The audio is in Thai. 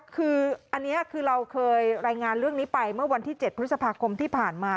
คืออันนี้คือเราเคยรายงานเรื่องนี้ไปเมื่อวันที่๗พฤษภาคมที่ผ่านมา